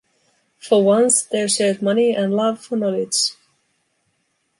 For once, they shared money and love for knowledge.